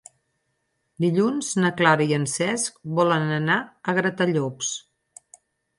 Dilluns na Clara i en Cesc volen anar a Gratallops.